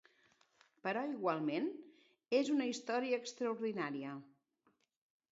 Però igualment, és una història extraordinària.